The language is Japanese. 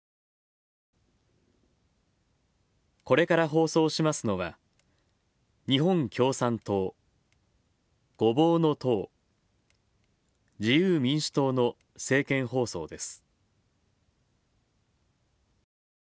これから放送しますのは、日本共産党ごぼうの党自由民主党の政見放送です。